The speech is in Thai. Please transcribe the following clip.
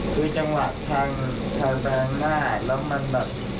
คือจังหวัดทางทางแบงค์หน้าแล้วมันแบบ